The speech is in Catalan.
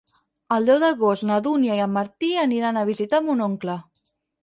El deu d'agost na Dúnia i en Martí aniran a visitar mon oncle.